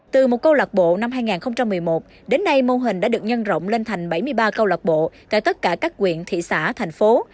từ một câu lạc bộ năm hai nghìn một mươi một đến nay mô hình đã được nhân rộng lên thành bảy mươi ba câu lạc bộ tại tất cả các quyện thị xã thành phố